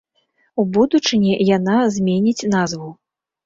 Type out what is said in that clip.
У будучыні яна зменіць назву.